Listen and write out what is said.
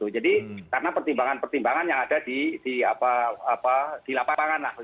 jadi karena pertimbangan pertimbangan yang ada di lapangan